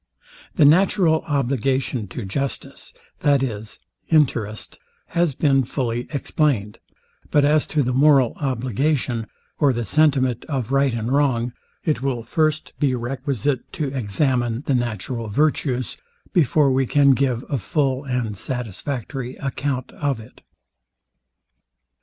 The natural obligation to justice, viz, interest, has been fully explained; but as to the moral obligation, or the sentiment of right and wrong, it will first be requisite to examine the natural virtues, before we can give a full and satisfactory account of it.